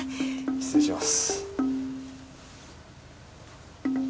失礼します。